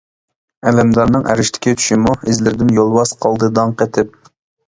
ئەلەمدارنىڭ ئەرشتىكى چۈشىمۇ، ئىزلىرىدىن يولۋاس قالدى داڭ قېتىپ.